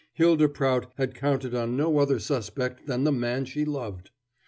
Hylda Prout had counted on no other suspect than the man she loved.